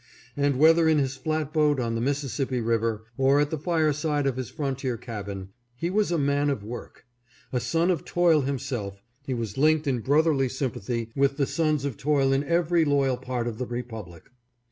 And whether in his flat boat on the Mississippi river, or at the fireside of his frontier cabin, he was a man of work. A son of toil himself, he was linked in broth erly sympathy with the sons of toil in every loyal part of the republic.